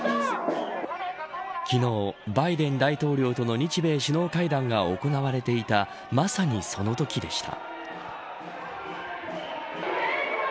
昨日、バイデン大統領との日米首脳会談が行われていたまさにそのときでした。